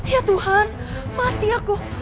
ya tuhan mati aku